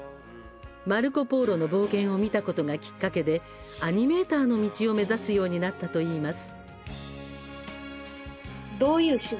「マルコ・ポーロの冒険」を見たことがきっかけでアニメーターの道を目指すようになったといいます。